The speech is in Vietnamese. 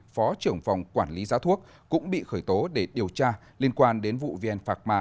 phó trưởng phòng quản lý giá thuốc cũng bị khởi tố để điều tra liên quan đến vụ vn phạc ma